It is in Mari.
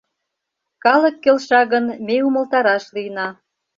Калык келша гын, ме умылтараш лийна.